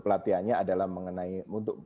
pelatihannya adalah mengenai untuk